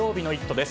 です。